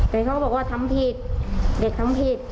แต่เขาก็บอกว่าทำผิดเด็กทำผิด